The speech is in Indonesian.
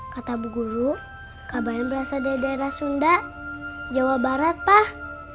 kata bu guru kabar yang berasal dari daerah sunda jawa barat pak